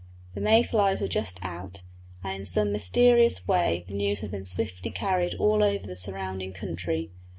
The may flies were just out, and in some mysterious way the news had been swiftly carried all over the surrounding country.